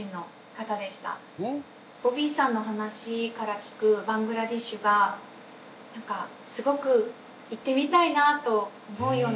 ボビーさんの話から聞くバングラデシュがなんかすごく行ってみたいなと思うような国で。